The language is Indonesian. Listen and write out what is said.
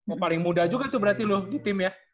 oh paling muda juga tuh berarti loh di tim ya